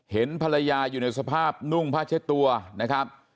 เห็นภรรยาอยู่ในสภาพนุ่งผ้าเช็ดตัวนะครับ